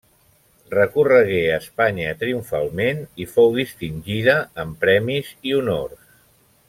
Recorregué Espanya triomfalment i fou distingida amb premis i honors.